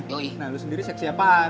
nah lu sendiri seksi apaan